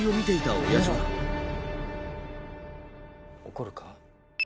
怒るか？